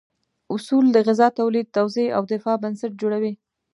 اصول د غذا تولید، توزیع او دفاع بنسټ جوړوي.